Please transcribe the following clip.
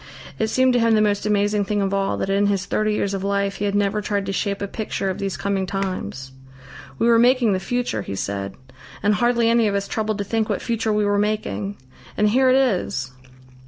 It seemed to him the most amazing thing of all that in his thirty years of life he had never tried to shape a picture of these coming times. "We were making the future," he said, "and hardly any of us troubled to think what future we were making. And here it is!"